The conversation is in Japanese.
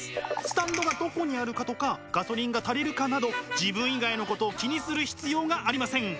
スタンドがどこにあるかとかガソリンが足りるかなど自分以外のことを気にする必要がありません。